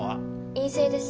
陰性です。